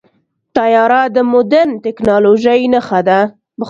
طیاره د مدرن ټیکنالوژۍ نښه ده.